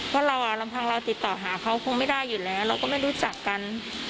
เพราะเราลำพังเราติดต่อหาเขาคงไม่ได้อยู่แล้วเราก็ไม่รู้จักกัน